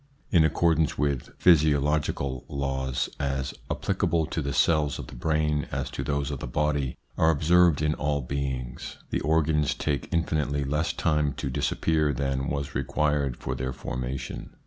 In accordance with physio logical laws, as applicable to the cells of the brain as to those of the body, and observed in all beings, the organs take infinitely less time to disappear than was required for their formation.